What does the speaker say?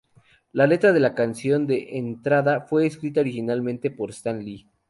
La letra de la canción de entrada fue escrita originalmente por Stan Lee.